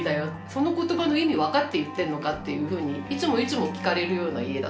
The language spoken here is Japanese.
その言葉の意味分かって言ってんのか？」っていうふうにいつもいつも聞かれるような家だったので。